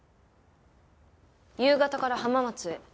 夕方から浜松へ。